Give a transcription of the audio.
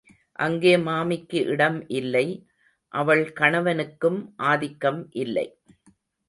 அங்கே மாமிக்கு இடம் இல்லை அவள் கணவனுக்கும் ஆதிக்கம் இல்லை.